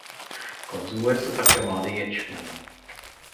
Konzumuje se také mladý ječmen.